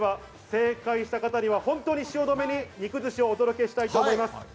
正解した方には本当に汐留に肉寿司をお届けしたいと思います。